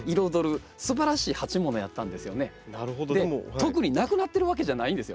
特になくなってるわけじゃないんですよ。